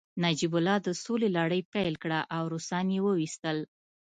نجیب الله د سولې لړۍ پیل کړه او روسان يې وويستل